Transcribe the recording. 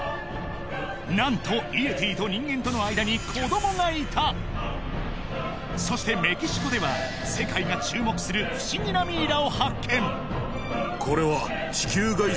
何とイエティと人間との間に子どもがいたそしてメキシコでは世界が注目する不思議なミイラを発見